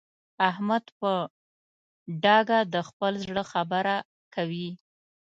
احمد په ډاګه د خپل زړه خبره کوي.